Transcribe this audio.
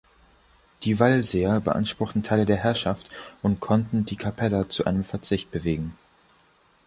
Die Wallseer beanspruchten Teile der Herrschaft, und konnten die Kapeller zu einem Verzicht bewegen.